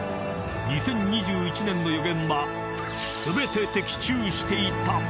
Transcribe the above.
［２０２１年の予言は全て的中していた］